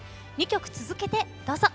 ２曲続けてどうぞ。